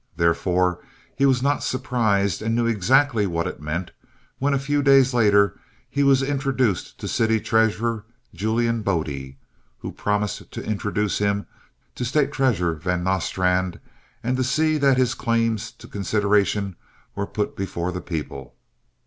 Therefore, he was not surprised, and knew exactly what it meant, when a few days later he was introduced to City Treasurer Julian Bode, who promised to introduce him to State Treasurer Van Nostrand and to see that his claims to consideration were put before the people.